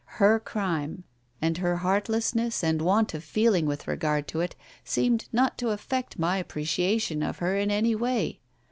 Her crime, and her heartlessness and want of feeling with regard to it, seemed not to affect my appreciation of her in any way.